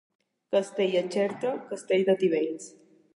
Castell a Xerta, castell a Tivenys.